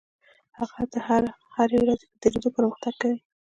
هغه د هرې ورځې په تېرېدو پرمختګ کوي.